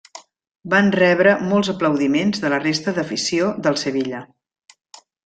Van rebre molts aplaudiments de la resta d'afició del Sevilla.